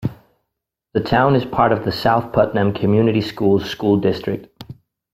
The town is part of the South Putnam Community Schools school district.